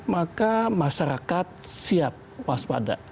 maka masyarakat siap waspada